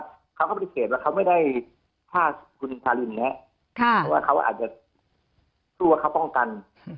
แต่เค้าเข้าบิสเศษว่าเค้า๘๖คุณธารินแหละเค้าอาจจะสู้กับเค้าป้องกัน